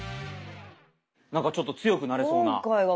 なんかちょっと強くなれそうな企画。